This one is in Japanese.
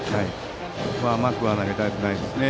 ここは甘くは投げたくないですね。